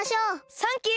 サンキュー！